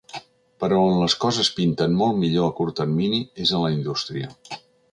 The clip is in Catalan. Però on les coses pinten molt millor a curt termini és a la indústria.